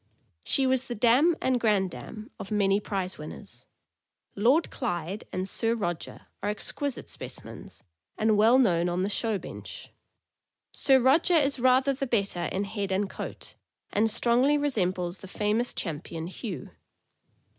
She was the dam and grandam of many prize winners. Lord Clyde and Sir Roger are exquisite specimens, and well known on the show bench. Sir Roger is rather the better in head and coat, and strongly resembles the famous Cham pion Hugh.